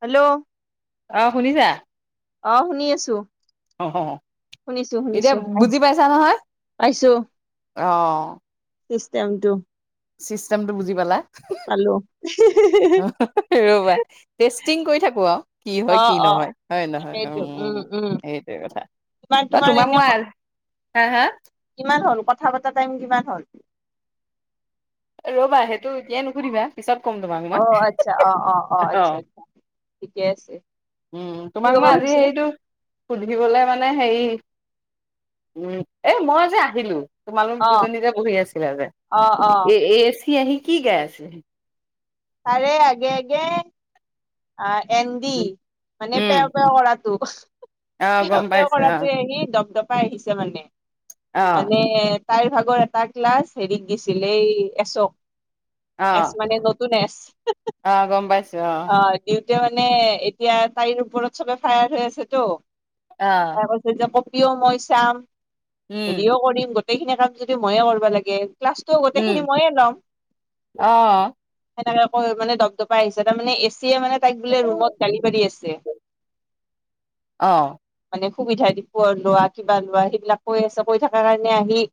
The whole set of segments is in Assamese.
হেল্লো' অ শুনিছা অ শুনি আছো অ শুনিছো এতিয়া শুনিছো বুজি পাইছা নহয় পাইছো আহ চিষ্টেমটো চিষ্টেমটো বুজি পালা পালো ৰবা তে চিং কৰি থাকো আৰু কি অ হয় কি অ নহয় হয় নহয় উ সেইটোৱে কথা তমাৰ অ তোমাৰাৰে তোমাক ন মই হা হা কথা পতা টাইম কিমান হ ৰ'বা সেইটো এতিয়াই নুসুধিবা পিছত কম অ তোমাৰাকমান আচ্ছা অ অ আচ্ছা আচ্ছা ঠিকে আছে উম কি তোমাক কব মই আজি খুজিছিলে হেইৰিটো সুধিবলে মানে হেৰি উম এ মই যে আহিলোঁ তোমালোক অ দুজনী যে বহি আছিলা যে। অ অ এ এ আহি কি গাইআছে [unintelligible] তাৰে আগে আগে অ এন্দি মানে উম পেও পেও অ গম পাইছো অ কৰাটোয়ে আহি দপ দপ পাই আহিছে মানে মানে তাইৰ ভাগৰ এটা ক্লাছ হেৰিত দিছিল এই এচক অ অ এছ মানে নতুন এচ অ গম পাইছো অ অ' দিওঁতে মানে এতিয়া তাইৰ ওপৰত চবে ফায়াৰ হৈ আছেতো অ তাৰ কৈছে যে কপিও মই চাম উম হেৰিও কৰিম গ গোটেইখিনি কাম যদি ময়ে কৰিব লাগে। ক্লাছটো উম গোটেইখিনি ময়ে লম। অ সেনেক কৈ মানে দপদপাই আহিছে তাৰমানে এ চিয়ে মানে তাইক বোলে ৰুমত গালি পাৰি আছে আহ। সুবিধা দি প লোৱা কিবা লোৱা সেইবিলাক কৈ আছে কৈ থকা কাৰণে আহি।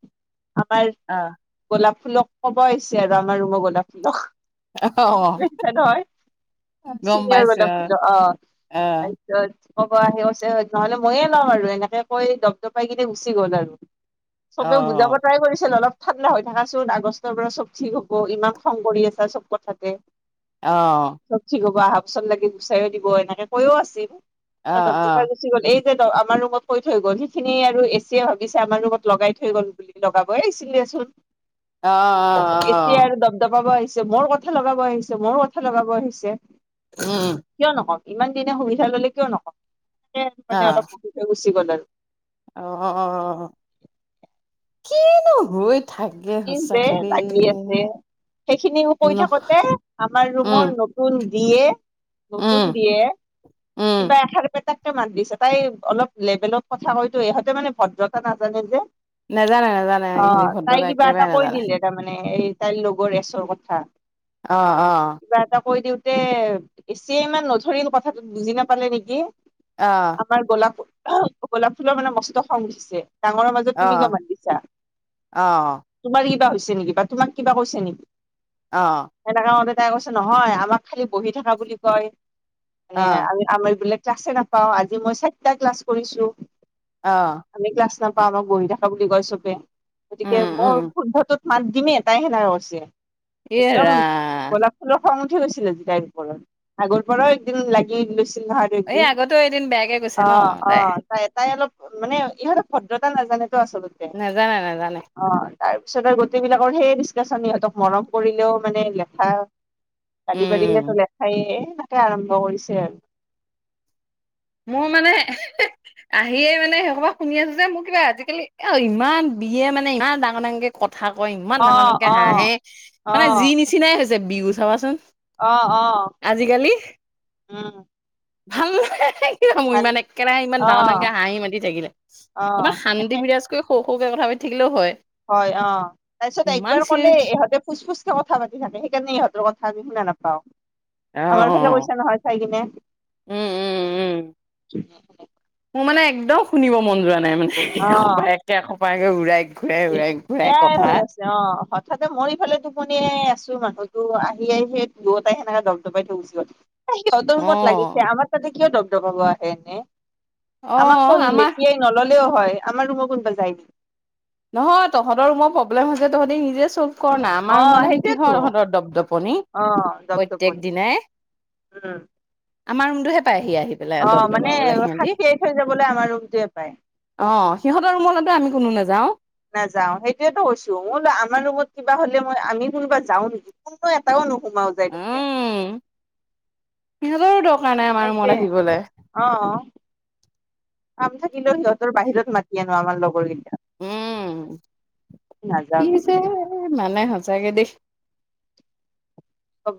আমাৰ অ অ গোলাপ ফুলক কব হৈছে আৰু আমাৰ ৰুঙৰ গোলাপ ফুলক। অহ। চিঙিয়ৰ গলা ফুল অ তাৰিছত। ক'ব আহেছে নহলে ময়ে লম আৰু এনেকে কৈ দপদপাই কিইনে গুচি গ'ল আৰু। অ চবেও বুজাব ট্ৰাই কৰিছিল অলপ। ঠাণ্ডা হৈ থাককাচোন, আগষ্টৰ পৰা চব ঠিক হ'ব ইমান খং কৰি আছা চব কথাতে। আহ। বা হফচত লাগি গুচাই দিব এনেকে কৈও অ অ আছিলমদাই গুচি গ'ল এই [unintelligible] আমাৰ ৰুমত কৈ থৈ গ'ল সিখিনি আৰু এচিয়ে ভাবিছে আমাৰ ৰুমত লগাই থৈ গল বুলি লগাবছিলেচোন। অ অ অ অ এতিয়া আৰু দপ দপাব আহ। মোৰ কথা লগাব আহিছে, মোৰ কথা লগাব আহিছে। উম। কিয় নকম ইমান দিনে সুবিধা ললে কিয় নকওঁ অ মানে অলপ গুচি গ'ল আৰু। অ কিনো হৈ। থাকে কি যে সঁচাক। লাগি আছে সেইখিনিও কৈ থাকোতে আমাৰ উম ৰুমৰ নতুন। দিয়ে উম নতুন দিয়ে উম কিবা এশাৰপেটাক। মান দিছে, তাই অলপ লেভেলত কথা কৈতো ইহঁতে মানে ভদ্ৰতা নাজানে যে। নাজানে নাজানে অ হেৰি তাই ভদ্ৰতাই কিবা এটা কৈ দিলে তাৰমানে এই তাইৰ লগৰ এ অ কথা। অ অ। এ এছিয়ে ইমান নধৰিল কথাটো বুজি নাপালে নেকি, অ আমাৰ গোলাপ আহ গোলাপ ফুলৰ মানে মসুটো খং উঠিছে, ডাঙৰৰ মাজত অ তুমি কিয় মাত দিছা। অ তোমাৰ কিবা হৈছে নেকি বা তোমাক কিবা কৈছে নেকি অ এনেকা মতে তাই কৈছে নহয় আমাক খালি বহি থকা বুলি কয়, অ মানে আৰু আমাৰ এইবিলাক। ক্লাছে নাপাওঁ আজি মই চাৰিটা ক্লাছ কৰিছো, অ আমি ক্লাছ নাপ। তা আমাক গ়ি থখা বুলি কয় চবে গতিকে উম মোৰ উম শুধটোত মাত দিমেই তাই সেনেকেৈছে [unintelligible] এ একদম ৰাম গোলাপ ফুল। খং উঠি গৈছিল আজি তাইৰ ওপৰত আগৰ পৰাও একদিন লাগি লৈছিল। চ আৰু এই একদিন আগতেও এদিন বেয়াকে গৈছে অ ন অ তাই ত তাই অলপ [unintelligible] মানে ইহঁতৰ ভদ্ৰতা নাজানেতো আচলতে নাজানে নাজানে অ। তাৰপিছত আৰু গোটেইবিলাকৰ সেই ডিচকাশচন সিহঁতক মৰম কৰিলেও মানে লেখা। কালি উম বাৰিলেতো লেখাইে তাকে আৰম্ভ কৰিছে আৰু। মোৰ মানে আহিয়ে মানে সেই কব শুনি আছো যে, মোৰ কিবা আজিকালি অ ইমান বিয়ে মানে ইমান ডাঙৰ ডাঙৰকে কথা। কথা কয় অ ইমান ডাঙৰ ডাঙকে অ হাঁহে, মানে যি নিচিনাই হৈছে বিহু চাবাচোন। আহ আহ উম। ভং [unintelligible] কেলেশ ভাল ইমান একেৰাহে ইমান অ ডাঙৰ ডাঙৰকে হাঁহি মাতি থাকিলে, অ অকণমান একে শান্তি বিৰাজ কৰি সৌখ সৰুকে কথা পাতি থাকিলও হয়। হয়, অ তাৰপিছত ইমান একবাৰ চিৰি কলে ইহঁতে ফুচ- ফুচ। কথা পাতি থাকে সেইকাৰণে ইহঁতৰ কথা আমি শুনা নাপাও। অ আমাৰ ফালে পইচা নহয় চাই কিনে। উম উম উম মোৰ মানে একদম শুনিব মন যোৱা নাই, মানে এসোপা একেসোপাে উৰাইহ এয়াই হৈ আছে অ হয় তথাতে মই ইফালে টোপনিয়াই আছো মানুহতো আহি আহি সেই দুয়টাই সেনেকে দপদপাই থৈ গৈচি গ'ল। সিহঁত অ ৰুমত লাগিছে আমাৰ তাতে কিয় ডপডপাব আহে এনে। অ আমাকতো আমাৰ লেতিয়াই নললেও হয়, আমাৰ ৰুমৰ কোনোবা যায় নে নহয় তহঁতৰ ৰুমৰ প্ৰব্লেম হৈছে তহঁতি নিজে শ্বলভ কৰ না অ আমাৰ ৰুমত আহি সেইটোয়েতো কিহৰ তহঁতৰ দপদপনি অ দপদপনি প্ৰত্যেক দিনাই উম আমাৰ ৰুমটোহে পাইহি আহি পেলাই অ দব মানে দবাবলে সিহঁতি। সাঁচিয়াই থৈ যাবলৈ আমাৰ ৰুমটোৱে পায় অ সিহঁতৰ ৰুমলৈতো আমি কোনো নাযাও নাযাও সেইটোয়েতো কৈছো মোৰ আমাৰ ৰুমত কিবা হলে ম আমি কোনোবা যাও নেকি কোনো এটাও ন সমাও যায় কিনে সিহঁতৰ ডৰ তাকে অ কাম থাকিলেও সিহঁতৰ বাহিৰত মাতি কেনো আমাৰ লগৰী উম! কি নাযাও যে মানে সচাকে দেই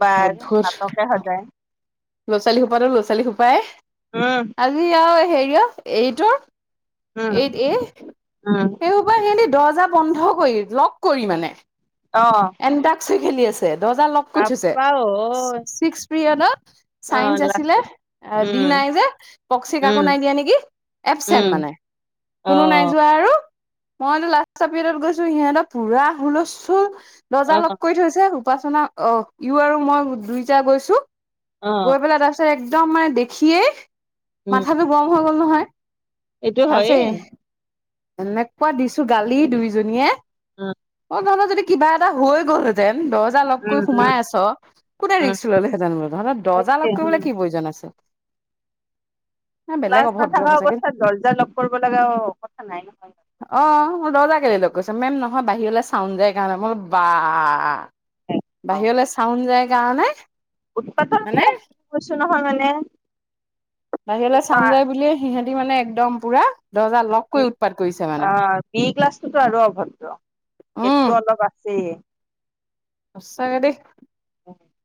বাৰ অদ্ভুত নাটকে সজায় ল'ৰা ছোৱালী সোপা তো ল'ৰা ছোৱালী সোপাই উম আজি আৰু হে কিয় এইট উম উম [unintelligible] বন্ধ কৰি লগ কৰি মানে। অ এনটাক্স খেলি আছে দৰ্জা লক কৰি থৈছে বাপ্পা ঐ চিক পিয়েডট অ ছাইঞ্চেছ আছিলে লাষ্টত উম নাই যে পক্সি উম কাকো নাই দিয়া নেকি, এবচেণ্ট উম মানে, অ কোনো নাই যোৱা আৰু। মই লাষ্ট পিৰিয়ডত গৈছো সিহঁতৰ পোৰা হুলস্থুল অ দৰ্জা লক কৰি থৈছে উপাসনা অ ইউ আৰু মই দুইটা গৈছো অ গৈ পেলাই তাৰপিছত এক দম মানে দেখিয়েই, উম মাথাতো গৰম হৈ গ'ল নহয়। এইটো হয়েই এনেকোৱা দিছো গালি দুইজনীয়ে অ ধৰণৰ যদি কিবা এটা হৈ গ'লহেতেন দৰ্জা লগ উম কৰি উম সোমাই আছ কোনে উম ৰিক্স দিলেহেতেন জানো তঁহত দৰ্জা সেইটোৱে লগ উম কৰিবলৈ কি প্ৰয়োজন আছে এ বেলেগ ক্লাছ অভদ্ৰ নাথকা সঁচাকে অৱস্থাত দৰ্জা লগ কৰিব লগা কথা নাই নহয় অ মই দৰ্জা কেলে লগ কৰিছ মেম নহয় বাহিৰলৈ চাউণ্ড যায় কাৰণে ম বোলো বা বাহিৰলৈ চাউণ্ড যায় কাৰণে উৎপাতনে মানে কৈছো নহয় মানে বাহিৰলৈ চাউণ্ড কা- যাই বুলিয়ে সিহঁতি মানে একদম পোৰা দৰ্জা লগকৈ উৎপাত কৰিছে মানে। সেটো আৰু অভদ্ৰ সেটো অলপ আছে সঁচাকৈ দেই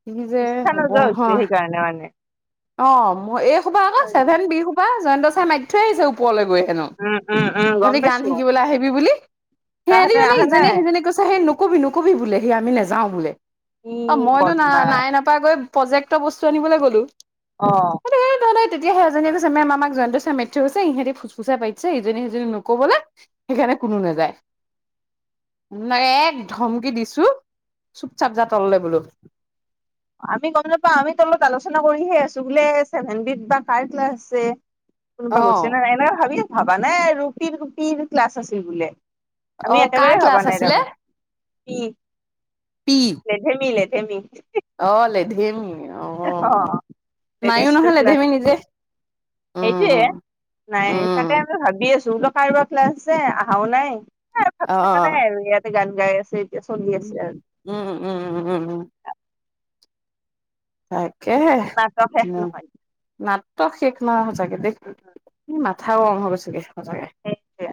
কি যে ইচ্ছা হব নোযোৱা হৈছে নহয় সেইকাৰণে মানে অ মোৰ এই সোপা আকৌ ছেভেন বি সোপা জয়ন্ত চাই মাৱি থজ আহিছে ওপৰলৈ গৈ নো উম উম উম গম তহঁতি গান পাইছো শিকিবলৈ আহিবি বুলি তাহাঁতে সিহঁতি মানে অহা নাই ইজনীয়ে সিজনীক কৈছে সেই নো নকবি নকবি বোলে সি আমি নাযাও বোলে, ই অ মইতো বদমাছ নাইনপা গৈ প্ৰজেক্টৰ বস্তু আনিবলৈ গ'লো অ তেতিয়া সদায় তেতিয়া সেই এজনী কৈছে মেম আমাক জয়ন্ত ছাৰে মাৰি থৈ গৈছে হৈছে ইহঁতি ফোচফুচাই পাতিছে ইজনীয়ে সিজনীক নকবলৈ সেইকাৰণে কোনো নাযায় নাই এক ধমকি দিছো চুপচাপ জা তললে বোলো আমি গম নাপাওঁ আমিত তলত আলোচনা কৰিহে আছো বোলে চছেভেন বি বা কাৰ ক্লাছ আছে কোনোবা অ গৈছে ন নাই এনে ভাবি ভাবা নাই ৰুপিৰ ৰুপিৰ ক্লাছ আছিল বোলে আমি অ কাৰ একেবাৰে ভবা ক্লাছ নাই আছিলে তাৰমানে কি, পি লেধেমি লেধে ধেমি অ লেধিমি আহ মায়ো লেধেমিটোৰ নহয় ক্লাছ লেধেমি আছিল নিজে। উম সেইটোয়ে উম নাই তাকে উম আমি ভাবি আছো ল কাৰোবাৰ ক্লাছ আছে অহাও নাই এ অ ভাবি থকা অ নাই আৰু ইয়াতে গান গায় আছে এতিয়া চলি উম! আছে আৰু উম! উম! উম! উম! উম! হয় এহে নাটক শেষ এ নহয় নাটক শেষ নহয় সচাকে দে নাট কথাও কম হ'ব চাগে সেইটোৱে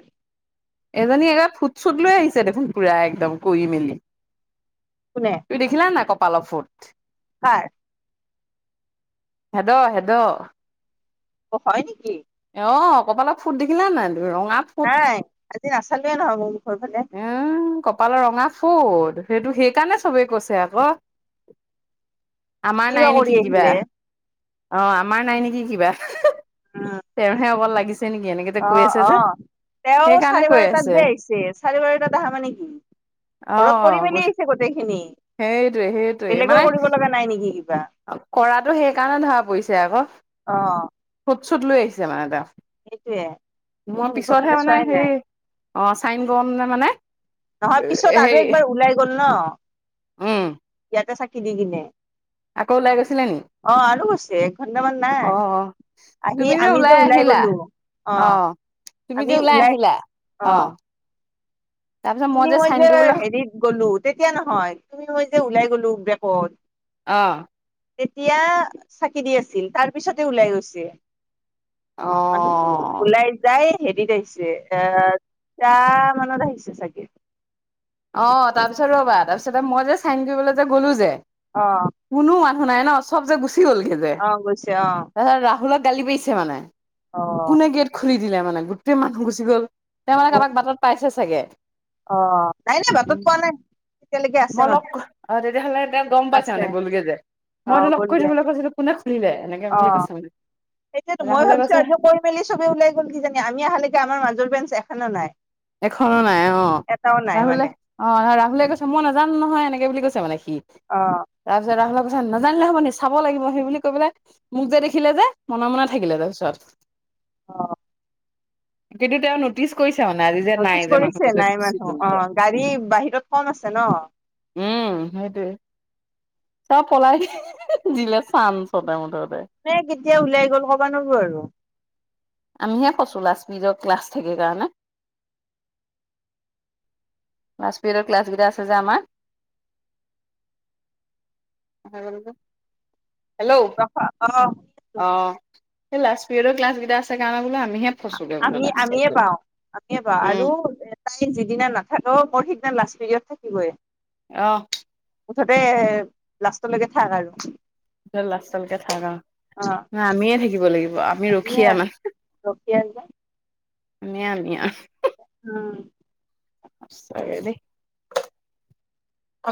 এজনী একে ফুট চুট লৈ আহিছে দেখোন পুৰা একদম কৰি মেলি কোনে তুমি দেখিলা নাই কপালৰ ফুত কাৰ। হেদ হেদ অ হয় নেকি? অ কপালত ফুট দেখিলে নাই ৰঙাত ফুট চালে নহব মুখৰ ফালে এ কপালৰ ৰঙা ফুট সেইটো সেইকাৰণে চবেই কৈছে আকৌ আমাৰ কি বা নাই কৰি নেকি কিবা আহিলে অ আমাৰ নাই নেকি কিবা উম তেওঁৰহে অকল লাগিছে নেকি এনেকে যে অ কৈ আছে অ যে তেওঁ সেইকাৰণে চাৰে কৈ বাৰটাত আছে যে আহিছে চাৰে বাৰটাত আহা মানে কি অ ঘৰত কৰি মেলি গুড আহিছে গোটেইখিনি সেইটোৱে বেলেগৰ কৰিব লগা নাই নেকি কিবা কৰাতটো সেইকাৰণে ধৰা পৰিছে আকৌ অ ফুট চুট লৈ আহিছে মানে তেওঁ সেইটোৱে মই পিছতহে মানে হেই অ চাইন গমনে মানে নহয় পিছত হেৰি আৰু একবাৰ ওলাই গল ন উম ইয়াতে চাকি দি কিনে। আকৌ ওলাই গৈছিলে নি অ আৰু গৈছে এক ঘন্টামান অ নাই অ আহি আমি যে ওলাই গলো অ অহ তুমি যে ওলাই আহিলা অ অহ তুমি মই যে হেৰিত গ'লো তেতিয়া নহয় তুমি মই যে ওলাই গলো বেকত অহ তেতিয়া চাকি দি আছিল তাৰ পিছতে ওলাই গৈছে অ আমি ওলাই যায় হেৰিত আহিছে এ টা মানত আহিছে চাগে অ তাৰপিছত ৰবা তাৰপিছতে মই যে চাইন কৰিবলৈ যে গ'লো যে অ শুনাই ন চব যে গুচি গ'লগে যে অ গৈছে অ তাৰপিছত ৰাহুলক গালি পাৰিছে মানে অ কোনে গেট খুলি দিলে মানে গোটেই মানুহ গুচি গ'ল তেওঁ অ মানে কাৰোবাক বাটত পাইছে চাগে অ নাই নাই উ বাটত পোৱা নাই তেতিয়ালৈকে আছে মই মানুহ লগ তেতিয়াহ'লে এ গম পাইছে আছে মানে গ'লগে যে অ মইতো লগ কৰি গ'লগে থবলৈ কৈছিলো কোনে খুলিলে এনেকে বুলি কৈছে মানে তেতিয়ো মই ৰাহুলে ভাবিছো কৈছে আৰু কৰি মেলি চবে ওলাই গ'ল কি জানি আমি আহালৈকে আমাৰ মাজৰ বেঞ্চ এখনো নাই এখনো নাই অ এটাও নাই মানে ৰাহুলে অ ৰাহুলে কৈছে মই নাজানো নহয় এনেকে বুলি কৈছে মানে অ তাৰপিছত ৰা নাজানিলে হ'ব নি চাব লাগিব সেই বুলি কৈ পেলাই মোক যে দেখিলে যে মনে মনে থাকিলে তাৰপিছত অ কিন্তু তেওঁ নটিচ কৰিছে অ নটিচ কৰিছে নাই মানুহ অ গাড়ী বাহিৰত কম আছে ন উম সেইটোৱে চব পলাই দিলে চান চতে মুঠত এ কেতিয়া ওলাই গ'ল কবা নবো আৰু আমিহে কৈছো লাজ্মিতৰ ক্লাছ থাকে কাৰণে লাষ্ট পিৰিয়ডৰ ক্লাছ কেইটা আছে যে আমাৰ [inaudible] গম পাইছ ন? অ হে লাষ্ট ইয়ৰ ক্লাছ কেইটা আছে কাৰণে বোলে আ আমি আমিয়ে পাওঁ আমিয়ে পাওঁ উম আৰু তাই যিদিনা নাথাকে ত মোৰ সেইদিনা লাষ্ট পিৰিয়ড থাকিবই। আহ মুঠতে লাষ্টলৈকে থাক আৰু লাষ্টলৈকে থাক আৰু অ ন আমিয়ে থাকিব লাগিব আমি ৰখিয়া মানে, কি আঞ্জা নিয়া নিয়া উম সঁচা কে দেই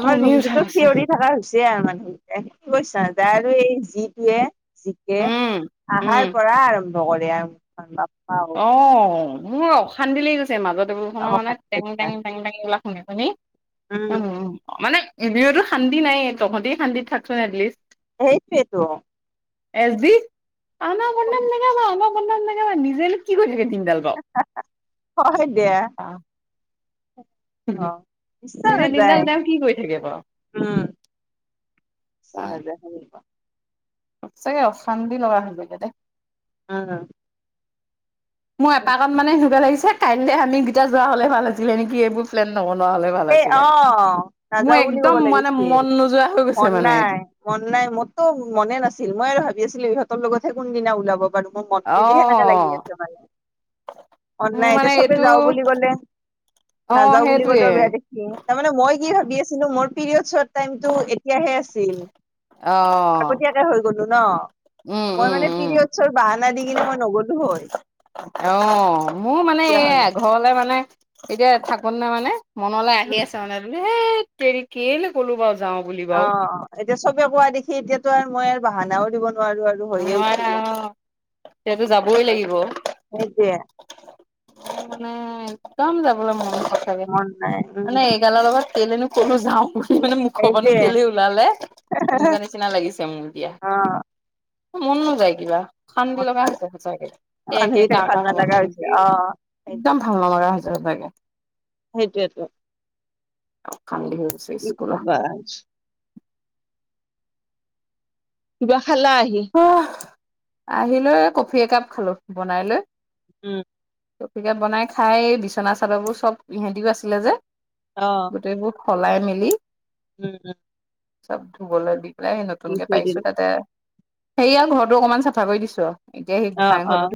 আমাৰ উঠা মমটোতো হৈছে থেঞৰি থকা হৈছে আৰু মান কছ ত আৰু এই যিটোৱে [unintelligible] জিকে উম উম আহাৰ পৰা আৰম্ভ কৰে আৰু ঔ অ মোৰ অশান্তি লাগি গৈছে মাজৰ টেবুল খনৰ মানে অশান্তি লাগি টেং যায় টেং টেং ওলা শুনি মানে উম মোৰ মানে, জিবিৰৰটো শান্তি নাইয়ে তহঁতেই শান্তিত থাকচোন এটলিষ্ট, সেইটো যে টো এচ দি আমাক বদনাম নাগাবা আমাক বদনাম নাগাবা নিজে কি কৰি থাকে তুমি ঠেলগাঁও হয় দিয়া অ ইচ্ছা নিজে দিনডাল নাযায় তেওঁ কি কৰি থাকে বাৰু। উম, চানদে হিবা [unintelligible] সচাকে অশান্তি লগা থৈ গ'ল দেই, অ অ মোৰ এপাকত মানে সেনেুৱে লাগিছে কাইলে আমি গিটা যোৱা হলে ভাল হৈছিলে নেকি এইবোৰ প্লেন ন সেই অ নাযাও বুলি ক'ব একদম মানে লাগিছিল মন নোযোৱা হৈ গৈছে মন মানে নাই মন নাই মোৰতো মনে নাছিল মই আৰু ভাবি আছিলো ইহঁতৰ লগতহে কোনদিনা ওলাব বাৰ মোৰ মনটো দি সেনেকে লাগি অ', আছে মানে অ মোৰ নাই মানে এতিয়া চবে এইটো যাওঁ বুলি গ'লে অ', নাযাওঁ বুলি সেইটোৱে। কলেও বেয়া দে তাৰ মানে মই কি ভাবি আছিলো মোৰ পিৰিয়ড শ টাইমতটো এতিয়াহে আছিল অ', আগতিয়াকে হৈ গলো ন উম, মই উম, মানে উম, পিৰিয়ড‌ ছৰ বাহানা দি কিনে মই নগলো হয়। অ মোৰ মানে তেতিয়াহ'লে এই ঘৰলে মানে এতিয়া থাকোন নে মানে মনলৈ আহি আছে মানে ধেই তেৰি কেলে ক'লো বাউ অ এতিয়া চবে কোৱা দেখি এতিয়াতো আৰু মই আৰু বাহানাও দিব, আৰু আৰু হৈয়ে নোৱাৰা উঠিলো অ', এতিয়াতো যাবই লাগিব। সেইটোয়ে একদম যাবলৈ মন সচাঁকে মন নাই মানে উম এইগালৰত লগত কেলেনো কতনো যাওঁ তোৰ মানে মুখৰ পৰানো সেইটোৱে কেলে ওলালে সেনেকুৱা নিচিনা লাগিছে মোৰ দিয়া অ মন নোযায় কিবা অশান্তি লগা হৈছে সঁচাকে কে কে মানুহকেইটাক কাহ ভাল কাহ খনত নালাগা থাকি হৈছে থাকি। অ সেইটোৱে একদম ভাল নলা হৈছে সঁচাকে। সেইটোৱেতো অশান্তি হৈ গৈছে কি স্কুলৰ। কবা কিবা খালা আহি? আহিলৈ কফি একাপ খালো বনাই লৈ উম কফি কাপ বনাই খাই এই বিচনা চাদৰবোৰ চব ইহঁতিও আছিলে যে অ গোটেইবোৰ, সলাই মেলি উম উম চব ধুবলৈ দি পেলাই দি নতুনকে থৈ পাইছো দিলো তাতে সেয়া ঘৰৰতো অকনমান চাফা কৰি দিছো এতিয়া সেই অ গোসাঁই অ ঘৰৰতো